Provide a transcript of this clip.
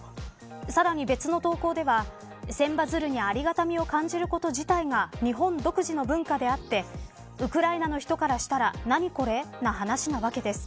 さらに別の投稿では千羽鶴にありがたみを感じること自体が日本独自の文化であってウクライナの人からしたら何これな話なわけです。